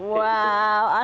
wow asik juga ya